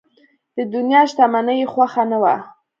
د دنیا شتمني یې خوښه نه وه.